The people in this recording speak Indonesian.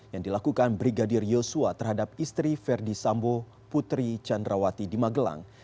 yang dilakukan brigadir yosua terhadap istri verdi sambo putri candrawati di magelang